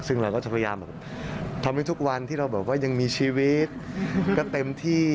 ซึ่งเราก็จะพยายามแบบทำให้ทุกวันที่เราแบบว่ายังมีชีวิตก็เต็มที่